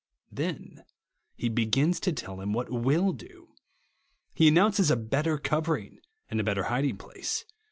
Then he begins to tell him what will do. He announces a better cover ing and a better hiding place.